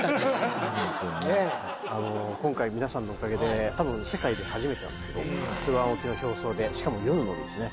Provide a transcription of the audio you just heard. はいあの今回皆さんのおかげでたぶん世界で初めてなんですけど駿河湾沖の表層でしかも夜の海ですね